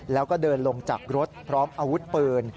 แล้วก็เดินลงจากรถพร้อมอาวุธปืน